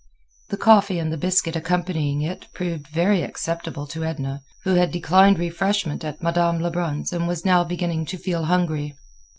The coffee and the biscuit accompanying it proved very acceptable to Edna, who had declined refreshment at Madame Lebrun's and was now beginning to feel hungry.